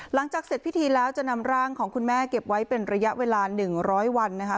หลังจากเสร็จพิธีแล้วจะนำร่างของคุณแม่เก็บไว้เป็นระยะเวลา๑๐๐วันนะคะ